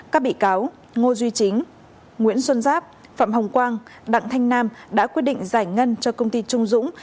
các bị cáo ngô duy chính nguyễn xuân giáp phạm hồng quang đặng thanh nam đã quyết định giải ngân cho công ty trung dũng